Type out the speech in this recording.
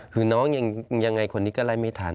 คือน้องยังไงคนนี้ก็ไล่ไม่ทัน